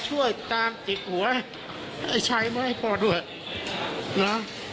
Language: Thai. ช่วยตามจิกหัวไอ้ชัยมาให้พ่อด้วยนะ